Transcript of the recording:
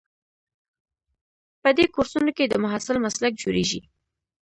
په دې کورسونو کې د محصل مسلک جوړیږي.